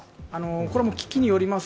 これは機器によります。